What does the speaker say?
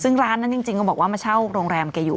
ซึ่งร้านนั้นจริงก็บอกว่ามาเช่าโรงแรมแกอยู่